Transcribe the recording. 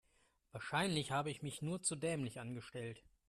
Wahrscheinlich habe ich mich nur zu dämlich angestellt.